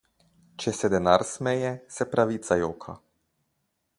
Če se denar smeje, se pravica joka.